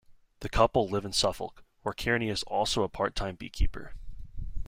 The couple live in Suffolk, where Kearney is also a part-time beekeeper.